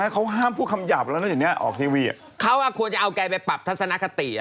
เขาก็ควรจะเอาแกไปปรับทัศนคติ